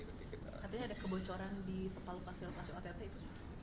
katanya ada kebocoran di tepal lokasi lokasi ott itu